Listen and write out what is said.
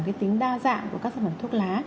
cái tính đa dạng của các sản phẩm thuốc lá